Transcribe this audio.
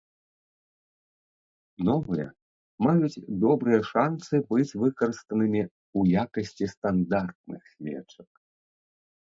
Новыя маюць добрыя шанцы быць выкарыстанымі ў якасці стандартных свечак.